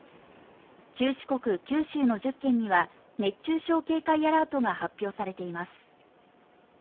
中四国、九州の１０県には熱中症警戒アラートが発表されています